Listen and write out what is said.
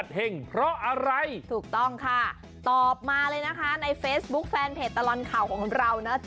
สำหรับวันนี้สวัสดีค่ะ